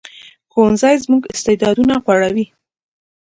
ښوونځی زموږ استعدادونه غوړوي